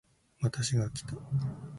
私がきた